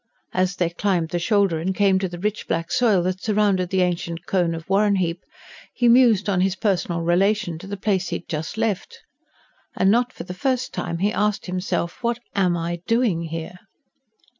As they climbed the shoulder and came to the rich, black soil that surrounded the ancient cone of Warrenheip, he mused on his personal relation to the place he had just left. And not for the first time he asked himself: what am I doing here?